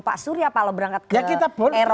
pak surya palo berangkat ke eropa ya kita pun